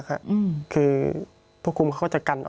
พี่เรื่องมันยังไงอะไรยังไง